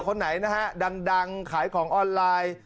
คนไหนนะฮะดังขายของออนไลน์